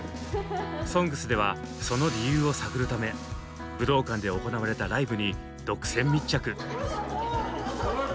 「ＳＯＮＧＳ」ではその理由を探るため武道館で行われたライブに独占密着。